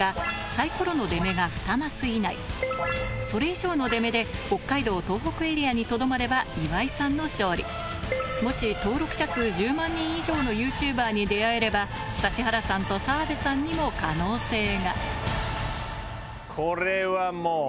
サイコロの出目が２マス以内それ以上の出目で北海道・東北エリアにとどまれば岩井さんの勝利もし登録者数１０万人以上のＹｏｕＴｕｂｅｒに出会えれば指原さんと澤部さんにも可能性がこれは。